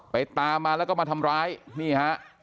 ตามมาแล้วก็มาทำร้ายนี่ฮะ